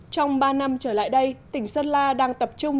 trong ba năm trở lại đây tỉnh sơn la đang tập trung